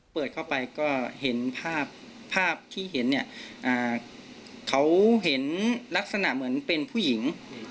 เปิดเข้าไปก็เห็นภาพภาพที่เห็นเนี่ยเขาเห็นลักษณะเหมือนเป็นผู้หญิง